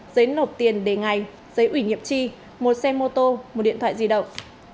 giấy nộp tiền đề ngày giấy ủy nghiệp chi một xe mô tô một điện thoại di động